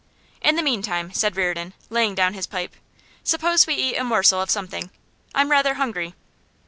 'In the meantime,' said Reardon, laying down his pipe, 'suppose we eat a morsel of something. I'm rather hungry.